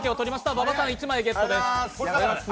馬場さん、１枚ゲットです。